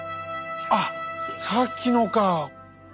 あっさっきのか！